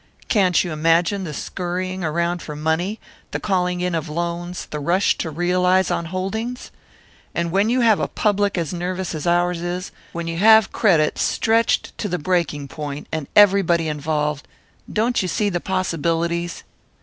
Can't you imagine the scurrying around for money, the calling in of loans, the rush to realise on holdings? And when you have a public as nervous as ours is, when you have credit stretched to the breaking point, and everybody involved don't you see the possibilities?"